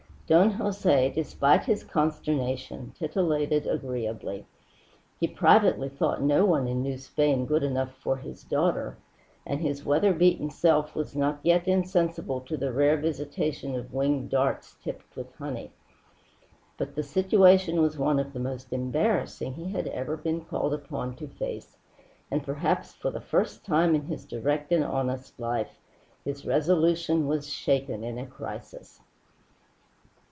Don Jose, despite his consternation, titillated agreeably. He privately thought no one in New Spain good enough for his daughter, and his weather beaten self was not yet insensible to the rare visitation of winged darts tipped with honey. But the situation was one of the most embarrassing he had ever been called upon to face, and perhaps for the first time in his direct and honest life his resolution was shaken in a crisis.